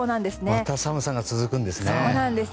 また寒さが続くんですね。